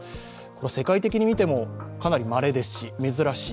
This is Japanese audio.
世界的に見てもかなりまれですし、珍しい。